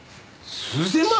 数千万！？